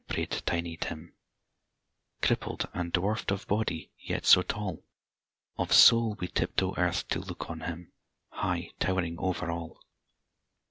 " prayed Tiny Tim, Crippled, and dwarfed of body, yet so tall Of soul, we tiptoe earth to look on him, High towering over all.